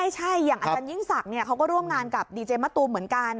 ใช่อย่างอาจารยิ่งศักดิ์เขาก็ร่วมงานกับดีเจมะตูมเหมือนกัน